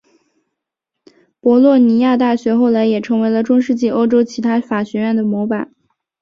博洛尼亚大学后来也成为了中世纪欧洲其他法学院的模板。